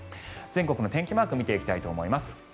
全国の天気マーク見ていきたいと思います。